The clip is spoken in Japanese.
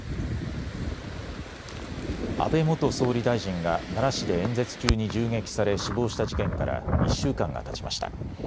安倍元総理大臣が奈良市で演説中に銃撃され死亡した事件から１週間がたちました。